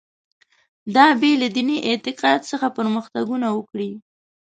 دا بې له دیني اعتقاد څخه پرمختګونه وکړي.